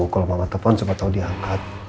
kalau mama telepon coba tahu dia angkat